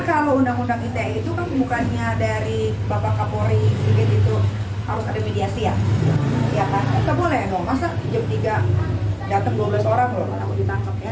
kalau undang undang ite itu kan kebukannya dari bapak kapolri itu harus ada mediasi ya